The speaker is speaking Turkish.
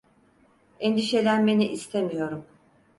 Endişelenmeni istemiyorum.